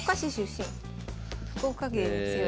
福岡県に強い。